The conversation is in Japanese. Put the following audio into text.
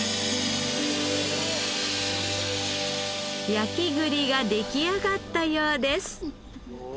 焼き栗が出来上がったようです。